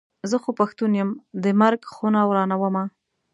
زه خو پښتون یم د مرک خونه ورانومه.